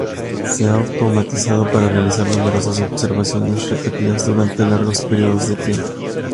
Se ha automatizado para realizar numerosas observaciones repetidas durante largos periodos de tiempo.